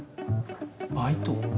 バイト